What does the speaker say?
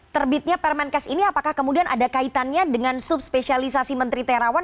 terbitnya permenkes ini apakah kemudian ada kaitannya dengan subspesialisasi menteri terawan